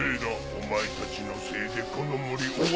お前たちのせいでこの森終わりだ。